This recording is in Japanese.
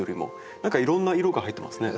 何かいろんな色が入ってますね。